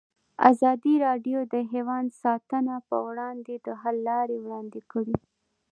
ازادي راډیو د حیوان ساتنه پر وړاندې د حل لارې وړاندې کړي.